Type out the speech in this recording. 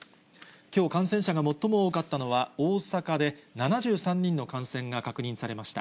きょう感染者が最も多かったのは、大阪で７３人の感染が確認されました。